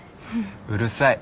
うるさい。